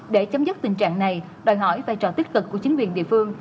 để chấm dứt tình trạng này đòi hỏi vai trò tích cực của chính quyền địa phương